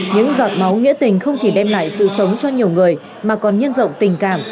những giọt máu nghĩa tình không chỉ đem lại sự sống cho nhiều người mà còn nhân rộng tình cảm